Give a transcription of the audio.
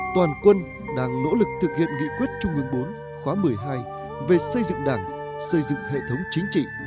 toàn quân đang nỗ lực thực hiện nghị quyết trung ương bốn khóa một mươi hai về xây dựng đảng xây dựng hệ thống chính trị